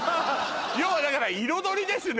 要はだから彩りですね